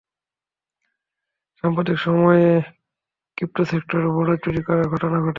সাম্প্রতিক সময়ে ক্রিপ্টোসেক্টরে বড় দুটি চুরির ঘটনা ঘটেছে।